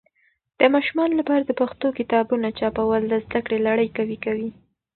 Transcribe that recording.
د ماشومانو لپاره د پښتو کتابونه چاپول د زده کړې لړی قوي کوي.